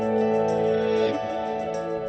dan juga opens pantai yang luar biasa